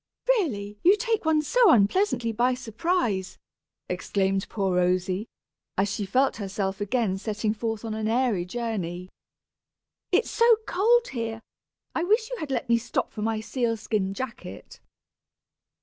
"Really you take one so unpleasantly by surprise," exclaimed poor Rosy, as she felt herself again setting forth on an airy journey. "It is so cold here, I wish you had let me stop for my seal skin jacket."